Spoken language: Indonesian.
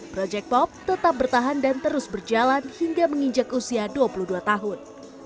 project pop tetap bertahan dan terus berjalan hingga menginjak usia dua puluh dua tahun